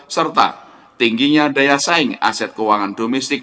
serta tingginya daya saing aset keuangan domestik